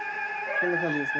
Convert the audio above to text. こんな感じですね。